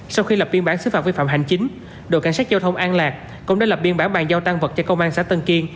sau khi lập biên bản xứ phạm vi phạm hành chính đội cảnh sát giao thông an lạc cũng đã lập biên bản bàn giao tan vật cho công an xã tân kiên